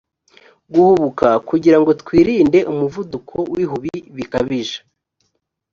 guhubuka kugira ngo twirinde umuvuduko n ihubi bikabije